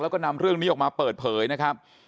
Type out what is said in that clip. แล้วก็นำเรื่องนี้ออกมาเปิดเผยนะครับ